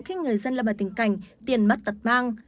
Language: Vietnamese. khiến người dân lầm vào tình cảnh tiền mất tật mang